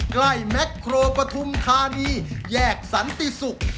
ใกล้แมคโครปธุมทาดีแยกสันติสุก